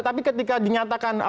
tapi ketika dinyatakan